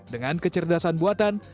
dengan kecerdasan buatan